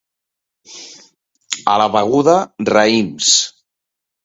A la Beguda, raïms.